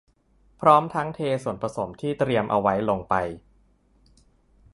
พร้อมทั้งเทส่วนผสมที่เตรียมเอาไว้ลงไป